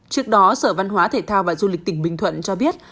trước đó sở văn hóa thể thao và du lịch tỉnh bình thuận cho biết